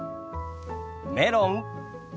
メロン。